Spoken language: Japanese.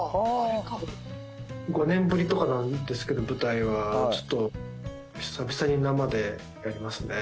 ５年ぶりとかなんですけど舞台はちょっと久々に生でやりますね。